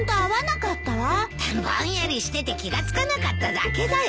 ぼんやりしてて気が付かなかっただけだよ。